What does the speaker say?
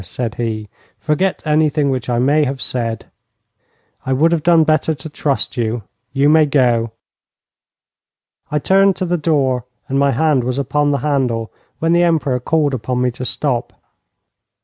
said he. 'Forget anything which I may have said. I would have done better to trust you. You may go.' I turned to the door, and my hand was upon the handle, when the Emperor called upon me to stop.